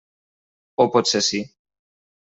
O potser sí.